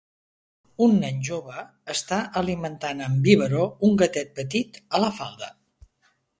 Un nen jove està alimentant amb biberó un gatet petit a la falda.